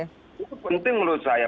itu penting menurut saya